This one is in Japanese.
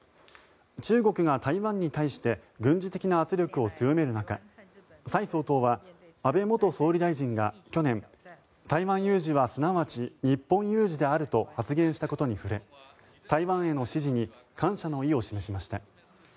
中国が台湾に対して軍事的な圧力を強める中蔡総統は安倍元総理大臣が去年台湾有事はすなわち日本有事であると発言したことに触れ台湾への支持に感謝の意を示しました。